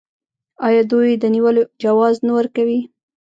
آیا دوی د نیولو جواز نه ورکوي؟